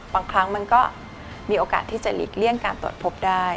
บางครั้งมันก็มีโอกาสที่จะหลีกเลี่ยงการตรวจพบได้